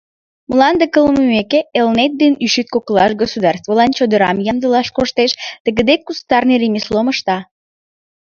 Мланде кылмымеке, Элнет ден Ӱшӱт коклаш государствылан чодырам ямдылаш коштеш, тыгыде кустарный ремеслом ышта.